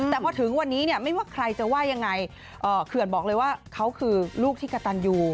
แต่พอถึงวันนี้เนี่ยไม่ว่าใครจะว่ายังไงเขื่อนบอกเลยว่าเขาคือลูกที่กระตันอยู่